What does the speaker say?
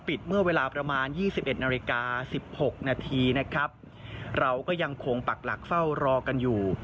เมื่อเวลาประมาณยี่สิบเอ็ดนาฬิกาสิบหกนาทีนะครับเราก็ยังคงปักหลักเฝ้ารอกันอยู่